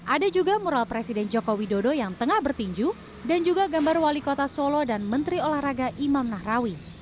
ada juga mural presiden joko widodo yang tengah bertinju dan juga gambar wali kota solo dan menteri olahraga imam nahrawi